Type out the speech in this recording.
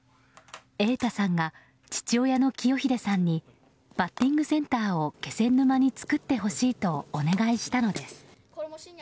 瑛太さんが父親の清英さんにバッティングセンターを気仙沼に作ってほしいとお願いしたのです。